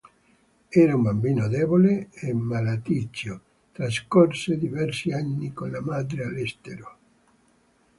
Era un bambino debole e malaticcio, trascorse diversi anni con la madre all'estero.